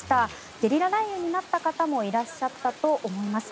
ゲリラ雷雨に遭った方もいらっしゃったかと思います。